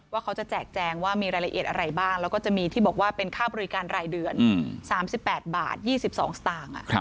ว่าเขาจะแจกแจงว่ามีรายละเอียดอะไรบ้างแล้วก็จะมีที่บอกว่าเป็นค่าบริการรายเดือน๓๘บาท๒๒สตางค์